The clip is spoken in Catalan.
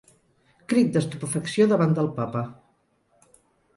Crit d'estupefacció davant del Papa.